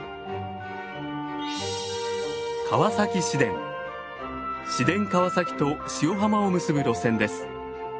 市電川崎と塩浜を結ぶ路線です。